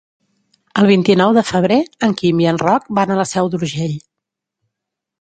El vint-i-nou de febrer en Quim i en Roc van a la Seu d'Urgell.